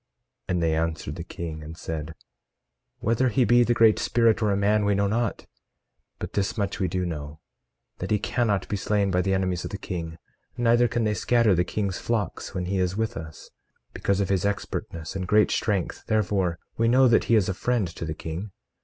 18:3 And they answered the king, and said: Whether he be the Great Spirit or a man, we know not; but this much we do know, that he cannot be slain by the enemies of the king; neither can they scatter the king's flocks when he is with us, because of his expertness and great strength; therefore, we know that he is a friend to the king.